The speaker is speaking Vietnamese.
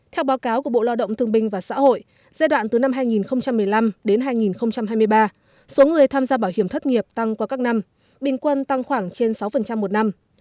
theo báo cáo của bộ lao động thương binh và xã hội giai đoạn từ năm hai nghìn một mươi năm đến hai nghìn hai mươi ba số người tham gia bảo hiểm thất nghiệp tăng qua các năm bình quân tăng khoảng trên sáu một năm